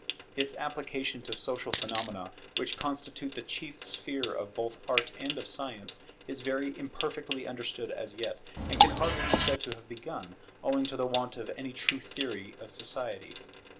Its application to social phenomena, which constitute the chief sphere both of Art and of Science, is very imperfectly understood as yet, and can hardly be said to have begun, owing to the want of any true theory of society.